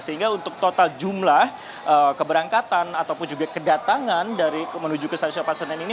sehingga untuk total jumlah keberangkatan ataupun juga kedatangan dari menuju ke stasiun pasar senen ini